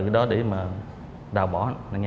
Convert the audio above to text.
để ra bỏ